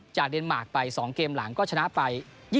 จากเดนมาร์กไป๒เกมหลังก็ชนะไป๒๒๒๐